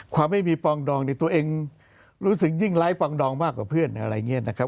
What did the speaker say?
ไม่มีปองดองเนี่ยตัวเองรู้สึกยิ่งไร้ปองดองมากกว่าเพื่อนอะไรอย่างนี้นะครับ